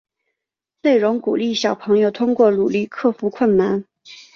内容鼓励小朋友通过努力克服困难。